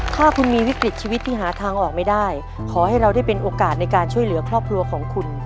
ถ้าคุณมีวิกฤตชีวิตที่หาทางออกไม่ได้ขอให้เราได้เป็นโอกาสในการช่วยเหลือครอบครัวของคุณ